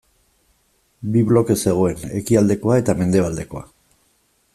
Bi bloke zegoen ekialdekoa eta mendebaldekoa.